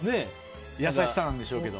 優しさなんでしょうけど。